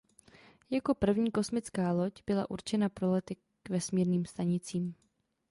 Jako první kosmická loď byla určena pro lety k vesmírným stanicím.